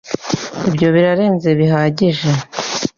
Ibyo birarenze bihagije.